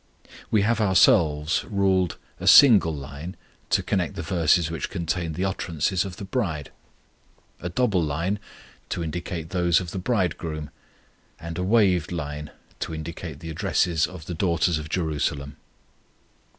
We have ourselves ruled a single line to connect the verses which contain the utterances of the bride; a double line to indicate those of the Bridegroom, and a waved line to indicate the addresses of the daughters of Jerusalem.